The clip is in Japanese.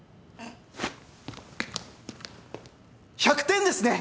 １００点ですね！